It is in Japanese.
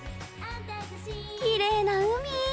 きれいな海！